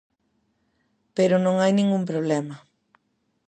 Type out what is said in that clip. Pero non hai ningún problema.